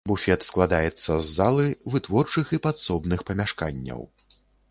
Буфет складаецца з залы, вытворчых і падсобных памяшканняў.